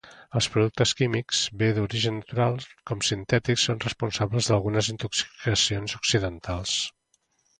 Els productes químics, bé d'origen natural com sintètics són responsables d'algunes intoxicacions accidentals.